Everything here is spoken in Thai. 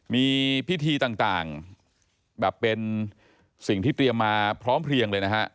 มีพิธีต่างแบบเป็นสิ่งที่เตรียมมาพร้อมเพลียงเลยนะฮะ